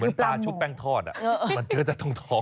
เหมือนปลาชุบแป้งทอดอะมันเจอจากทองทอง